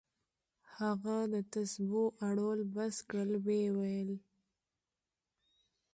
هغه د تسبو اړول بس كړل ويې ويل.